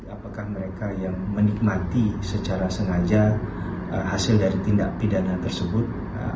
apakah mereka yang menikmati secara sengaja hasil dari tindak pidana tersebut